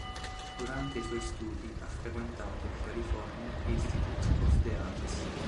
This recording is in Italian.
Durante i suoi studi ha frequentato il California Institute of the Arts.